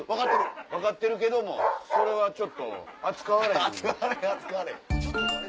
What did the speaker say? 分かってるけどもそれはちょっと扱われへん。